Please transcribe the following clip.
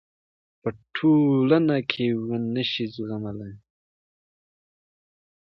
پـه ټـولـنـه کـې ونشـي زغـملـى .